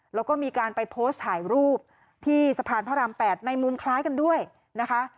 แล้วก็มีการไปโพสต์ถ่ายรูปที่สะพานพระราม๘ในมุมคล้ายกันด้วยนะคะ